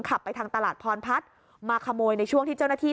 ขับไปทางตลาดพรพัฒน์มาขโมยในช่วงที่เจ้าหน้าที่